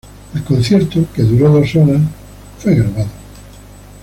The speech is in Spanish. El concierto, que duró dos horas, fue grabado.